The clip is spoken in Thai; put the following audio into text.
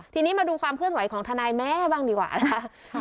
ทีนี้มาดูความเคลื่อนไหวของทนายแม่บ้างดีกว่านะคะ